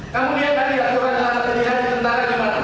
kamu lihat tadi aturan aturan kebijakan di tentara gimana